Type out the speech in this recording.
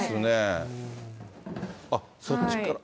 あっ、そっちから。